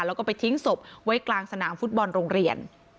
แล้วก็ไปทิ้งศพไว้กลางสนามฟุตบอลโรงเรียน